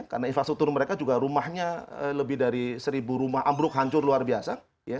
karena infrastruktur mereka juga rumahnya lebih dari seribu rumah amruk hancur luar biasa